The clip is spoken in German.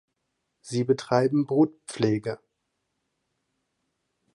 Sie betreiben Brutpflege.